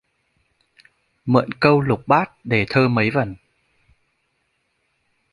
Mượn câu lục bát đề thơ mấy vần